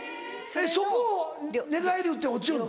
そこを寝返りうって落ちよるの？